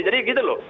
jadi gitu loh